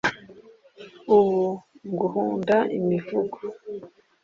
ubu nguhunda imivugo